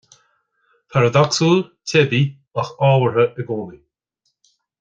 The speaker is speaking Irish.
Paradacsúil, teibí, ach ábhartha i gcónaí